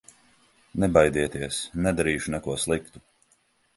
Nebaidieties, nedarīšu neko sliktu!